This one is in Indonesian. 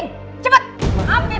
ayo dulu durus pokoknya